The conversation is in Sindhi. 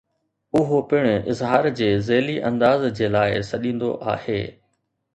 اهو پڻ اظهار جي ذيلي انداز جي لاء سڏيندو آهي.